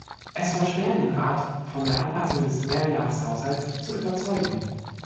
Es war schwer, den Rat von der Anpassung des Mehrjahreshaushalts zu überzeugen.